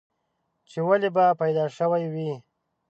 چې ولې به پيدا شوی وې؟